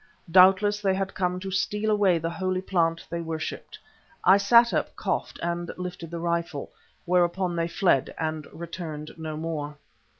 Doubtless, they had come to steal away the holy plant they worshipped. I sat up, coughed, and lifted the rifle, whereon they fled and returned no more.